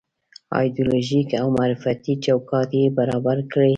ایدیالوژيک او معرفتي چوکاټ یې برابر کړی.